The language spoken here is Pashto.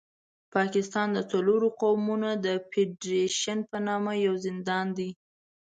پاکستان د څلورو قومونو د فېډرېشن په نامه یو زندان دی.